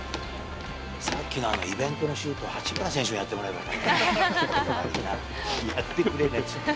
さっきのあのイベントのシュート、八村選手にやってもらえばよかった。